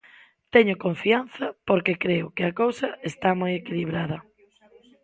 Teño confianza porque creo que a cousa está moi equilibrada.